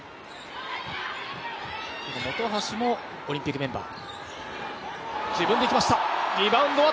本橋もオリンピックメンバー。